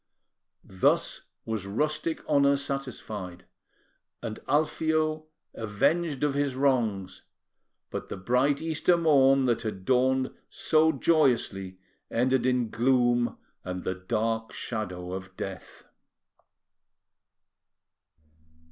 Thus was rustic honour satisfied, and Alfio avenged of his wrongs; but the bright Easter morn that had dawned so joyously ended in gloom and the dark shadow of death!